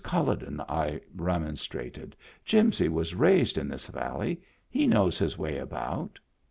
CuUoden," I remonstrated, "Jimsy was raised in this valley. He knows his way about."